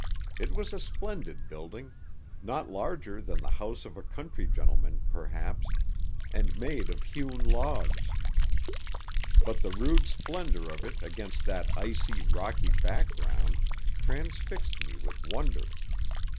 It was a splendid building not larger than the house of a country gentleman, perhaps, and made of hewn logs; but the rude splendour of it against that icy, rocky background transfixed me with wonder.